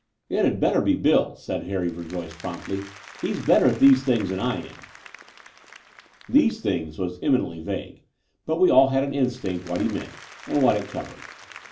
'*It'd better be Bill," said Harry Verjoyce promptly. '*He's better at these things than I am. tit These things" was eminently vague: but we all had an instinct what he meant and what it covered.